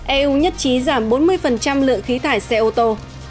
eu nhất trí giảm bốn mươi lượng khí thải xe ô tô